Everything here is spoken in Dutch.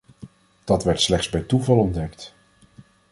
Dat werd slechts bij toeval ontdekt.